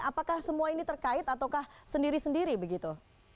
apakah semua ini terkait ataukah sendiri sendiri begitu